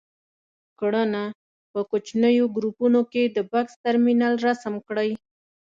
کړنه: په کوچنیو ګروپونو کې د بکس ترمینل رسم کړئ.